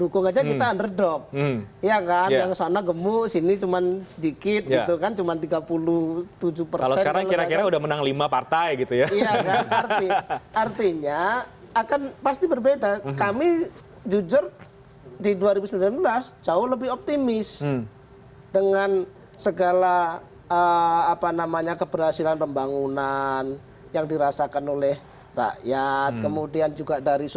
kami akan kembali suatu lagi